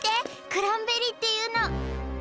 クランベリーっていうの。